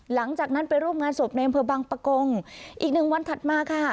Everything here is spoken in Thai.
หลังจากนั้นไปร่วมงานศพในอำเภอบังปะกงอีกหนึ่งวันถัดมาค่ะ